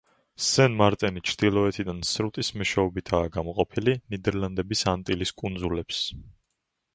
სენ-მარტენი ჩრდილოეთიდან სრუტის მეშვეობითაა გამოყოფილი ნიდერლანდების ანტილის კუნძულებს.